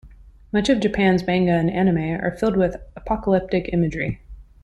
Much of Japan's manga and anime are filled with apocalyptic imagery.